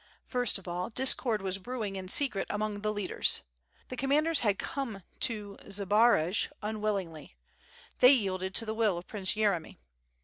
First of all, discord was brewing in secret among the leaders. The Commanders had come to Zbaraj unwillingly, they yielded to the will of Prince Yeremy.